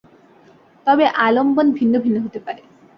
তবে আলম্বন ভিন্ন ভিন্ন হতে পারে।